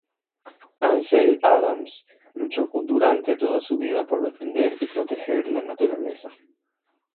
Ansel Adams luchó durante toda su vida por defender y proteger la naturaleza.